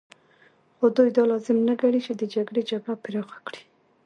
خو دوی دا لازم نه ګڼي چې د جګړې جبهه پراخه کړي